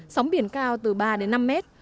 sóng biển cao từ ba đến năm mét